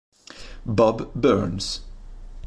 Bob Burns